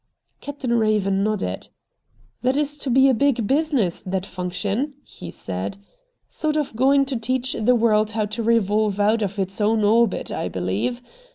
Captain Eaven nodded. ' That is to be a big business, that func tion,' he said. ' Sort of going to teach the world how to revolve out of its own orbit, I believe.